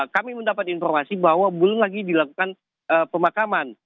kami mendapat informasi bahwa belum lagi dilakukan pemakaman